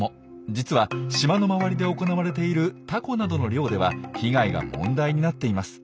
実は島の周りで行われているタコなどの漁では被害が問題になっています。